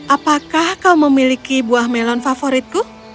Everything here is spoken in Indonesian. apakah kau memiliki buah melon favoritku